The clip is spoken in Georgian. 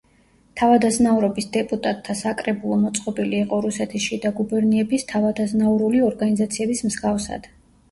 თავადაზნაურობის დეპუტატთა საკრებულო მოწყობილი იყო რუსეთის შიდა გუბერნიების თავადაზნაურული ორგანიზაციების მსგავსად.